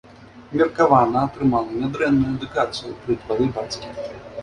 Меркавана атрымала нядрэнную адукацыю пры двары бацькі.